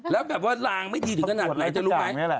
แล้วแบบว่าลางไม่ดีถึงขนาดไหนจะรู้ไหม